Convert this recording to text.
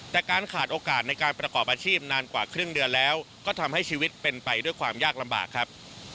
แต่การขาดโอกาสในการประกอบอาชีพนานกว่าครึ่งเดือนแล้วก็ทำให้ชีวิตเป็นไปด้วยความยากลำบากครับ